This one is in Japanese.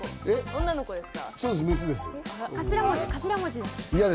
女の子ですか？